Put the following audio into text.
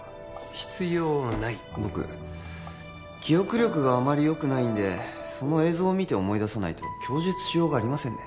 必要ない僕記憶力があまりよくないんでその映像を見て思い出さないと供述しようがありませんね